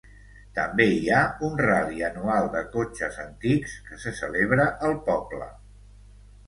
També hi ha un ral·li anual de cotxes antics que se celebra al poble.